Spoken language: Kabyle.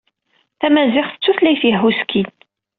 Tamaziɣt d tutlayt yehhuskin.